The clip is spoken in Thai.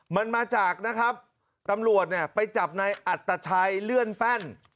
มันมาจากนะครับตำรวจเนี่ยไปจับในอัตชัยเลื่อนแป้น